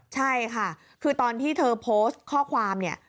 ใช่ค่ะคือตอนที่เธอโพสต์ข้อความเนี่ย